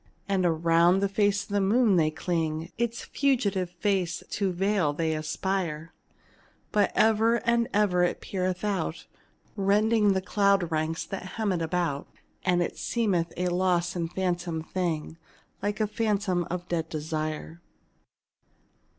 And around the face of the moon they cling, Its fugitive face to veil they aspire; But ever and ever it peereth out, Rending the cloud ranks that hem it about; And it seemeth a lost and phantom thing, Like a phantom of dead desire.